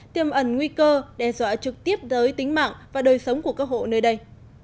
tiêm ẩn nguy cơ đe dọa trực tiếp tới tính mạng và đời sống của các hộ nơi đây